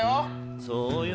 そうよ